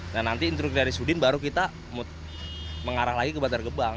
nah nanti instruksi dari sudin baru kita mengarah lagi ke bantar gebang